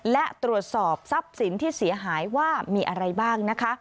และตรวจสอบทรัพย์สินที่เสียหายว่ามีอะไรบ้างนะคะ